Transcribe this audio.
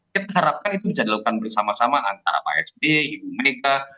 kita harapkan itu bisa dilakukan bersama sama antara pak sby ibu mega